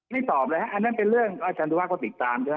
ไม่ตอบเลยฮะอันนั้นเป็นเรื่องรัฐศาสตร์ปฏิวาคมติดตามใช่วะฮะ